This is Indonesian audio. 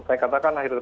saya katakan akhir tahun